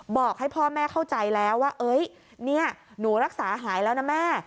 บอกให้พ่อแม่เข้าใจแล้วว่านี่หนูรักษาหายแล้วนะแม่